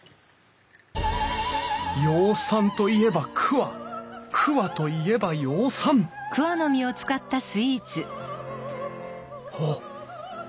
養蚕といえば桑桑といえば養蚕おおっ。